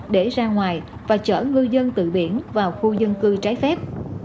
để ra ngoài và chở ngư dân từ biển vào khu dân cư trái phép